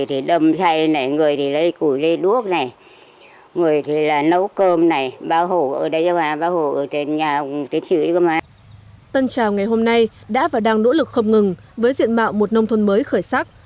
tân trào ngày hôm nay đã và đang nỗ lực không ngừng với diện mạo một nông thôn mới khởi sắc